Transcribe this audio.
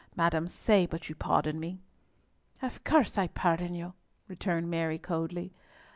Madam, say but you pardon me." "Of course I pardon you," returned Mary coldly.